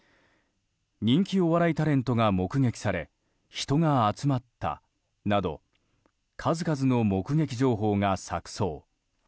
人気お笑いタレントが目撃され人が集まったなど数々の目撃情報が錯綜。